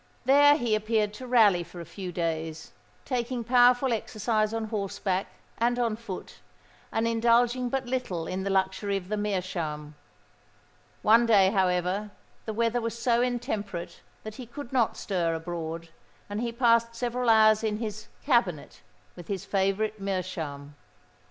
There he appeared to rally for a few days,—taking powerful exercise on horseback and on foot, and indulging but little in the luxury of the meerschaum. One day, however, the weather was so intemperate that he could not stir abroad; and he passed several hours in his "cabinet," with his favourite meerschaum.